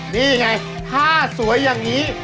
นี่ไงผ้าสวยอย่างนี้